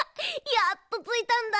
やっとついたんだ。